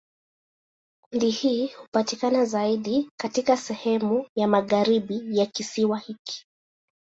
Kundi hili hupatikana zaidi katika sehemu ya magharibi ya kisiwa hiki.